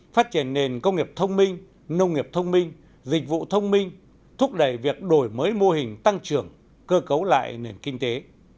phát triển nền công nghiệp thông minh nông nghiệp thông minh dịch vụ thông minh thúc đẩy việc đổi mới mô hình tăng trưởng cơ cấu lại nền kinh tế